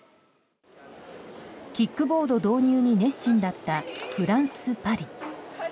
キックボード導入に熱心だったフランス・パリ。